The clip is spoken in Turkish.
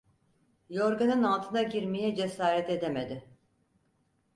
Yorganın altına girmeye cesaret edemedi.